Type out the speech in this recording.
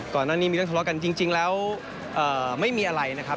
ก่อนหน้านี้มีเรื่องทะเลาะกันจริงแล้วไม่มีอะไรนะครับ